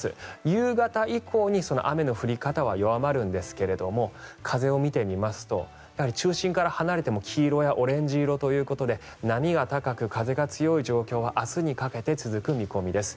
夕方以降に雨の降り方は弱まるんですが風を見てみますと中心から離れても黄色やオレンジ色ということで波が高く風が強い状況は明日にかけて続く見込みです。